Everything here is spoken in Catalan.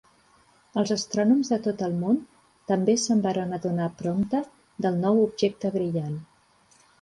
Altres astrònoms de tot el món també se'n varen adonar prompte del nou objecte brillant.